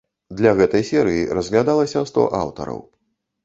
Для гэтай серыі разглядалася сто аўтараў.